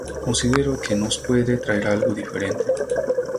Considero que nos puede traer algo diferente.